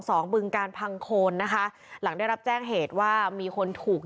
บึงการพังโคนนะคะหลังได้รับแจ้งเหตุว่ามีคนถูก